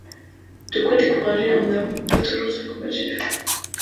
De quoi décourager un homme pas toujours très combatif...